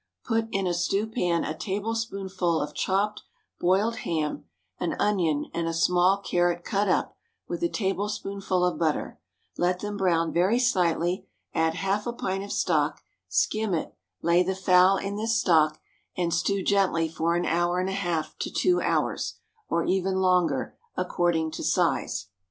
Put in a stewpan a tablespoonful of chopped boiled ham, an onion, and a small carrot cut up, with a tablespoonful of butter; let them brown very slightly, add half a pint of stock, skim it, lay the fowl in this stock, and stew gently for an hour and a half to two hours, or even longer, according to size.